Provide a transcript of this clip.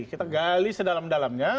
kita gali sedalam dalamnya